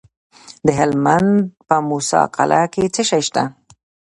د هلمند په موسی قلعه کې څه شی شته؟